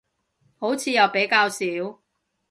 好似又比較少